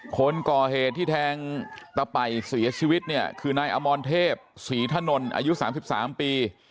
คนก่อเหตุที่แทงตะป่ายเสียชีวิตเนี่ยคือนายอมรเทพศรีถนนอายุ๓๓ปี